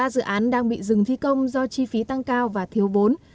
ba dự án đang bị dừng thi công do chi phí tăng cao và thiếu vốn